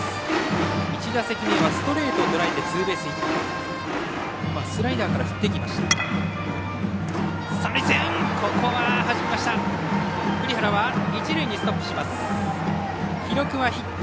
１打席目はストレートをとらえてツーベースヒット。